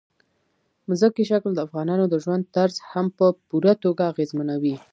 ځمکنی شکل د افغانانو د ژوند طرز هم په پوره توګه اغېزمنوي.